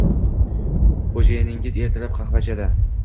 Xo`jayiningiz ertalab qahva ichadi